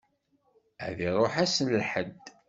Ad iṛuḥ ass n lḥedd.